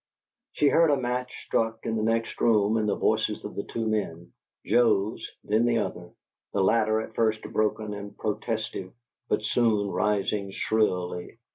She heard a match struck in the next room, and the voices of the two men: Joe's, then the other's, the latter at first broken and protestive, but soon rising shrilly.